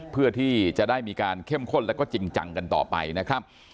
เพื่อที่จะได้มีการเข้มข้นแล้วก็จริงจังกันต่อไปนะครับ